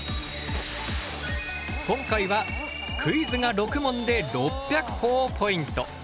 今回はクイズが６問で６００ほぉポイント。